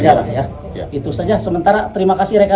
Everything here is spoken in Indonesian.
ya jam kerja lah ya itu saja sementara terima kasih rekan rekan